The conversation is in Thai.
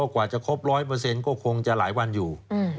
กว่าจะครบ๑๐๐ก็คงจะหลายวันอยู่